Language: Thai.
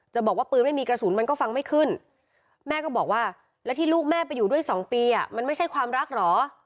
บอกว่าปืนไม่มีกระสุนมันก็ฟังไม่ขึ้นแม่ก็บอกว่าแล้วที่ลูกแม่ไปอยู่ด้วยสองปีอ่ะมันไม่ใช่ความรักเหรอ